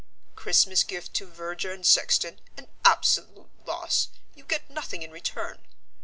Christmas Gift to Verger and Sexton, an absolute loss you get nothing in return.